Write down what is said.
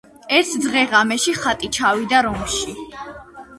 ერთ დღე–ღამეში ხატი ჩავიდა რომში.